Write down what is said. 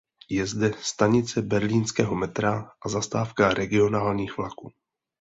Je zde stanice berlínského metra a zastávka regionálních vlaků.